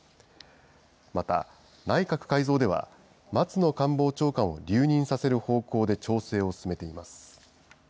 また、内閣改造では、松野官房長官を留任させる方向で調整を進めています。